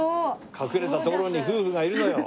隠れた所に夫婦がいるのよ。